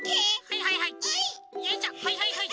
はいはいはい。